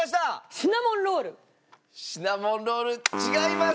シナモンロール違います！